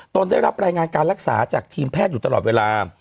ได้รับรายงานการรักษาจากทีมแพทย์อยู่ตลอดเวลา